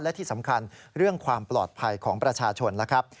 และที่สำคัญเรื่องความปลอดภัยของประชาชนนะครับ